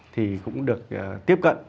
thì cũng được tiếp cận